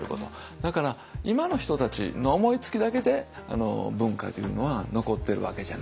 だから今の人たちの思いつきだけで文化というのは残ってるわけじゃないということ。